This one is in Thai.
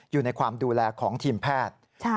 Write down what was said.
อยู่ในความดูแลของทีมแพทย์